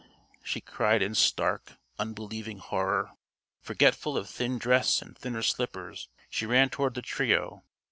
_" she cried in stark, unbelieving horror. Forgetful of thin dress and thinner slippers, she ran toward the trio.